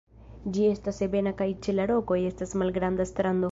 Ĝi estas ebena kaj ĉe la rokoj estas malgranda strando.